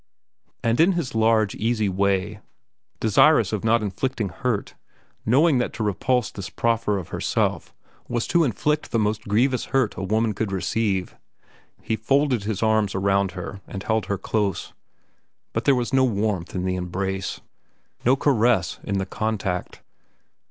And in his large, easy way, desirous of not inflicting hurt, knowing that to repulse this proffer of herself was to inflict the most grievous hurt a woman could receive, he folded his arms around her and held her close. But there was no warmth in the embrace, no caress in the contact.